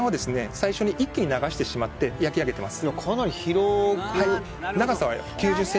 最初に一気に流してしまって焼きあげてます